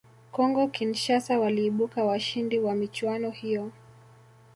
congo Kinshasa waliibuka washindi wa michuano hiyo